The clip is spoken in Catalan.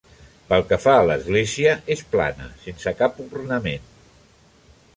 Pel que fa a l'església, és plana, sense cap ornament.